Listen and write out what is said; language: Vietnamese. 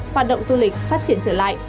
hoạt động du lịch phát triển trở lại